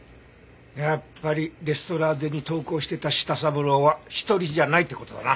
やっぱりレストラーゼに投稿してた舌三郎は一人じゃないって事だな。